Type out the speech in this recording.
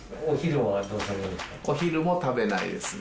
お昼も食べないですね。